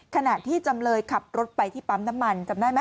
ขณะที่จำเลยขับรถไปที่ปั๊มน้ำมันจำได้ไหม